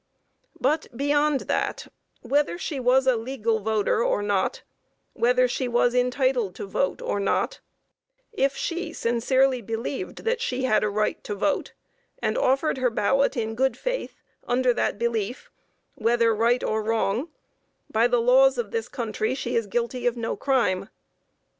But, beyond that, whether she was a legal voter or not, whether she was entitled to vote or not, if she sincerely believed that she had a right to vote, and offered her ballot in good faith, under that belief, whether right or wrong, by the laws of this country she is guilty of no crime.